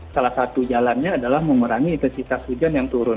salah satu jalannya adalah mengurangi intensitas hujan